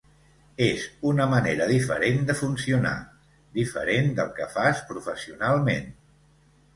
És una manera diferent de funcionar, diferent del que fas professionalment.